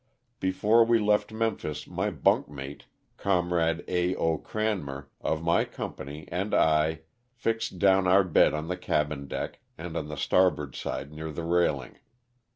Before we left Memphis my bunk mate, comrade A. 0. Oranmer, of my company, and I fixed down our bed on the cabin deck and on the starboard side near the railing.